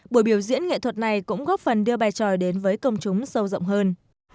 buổi biểu diễn nghệ thuật này cũng góp phần đưa bài tròi đến với công chúng sâu rộng hơn